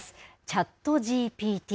ＣｈａｔＧＰＴ。